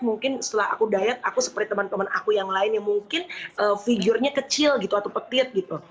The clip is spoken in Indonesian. mungkin setelah aku diet aku seperti teman teman aku yang lainnya mungkin figurnya kecil gitu atau petite gitu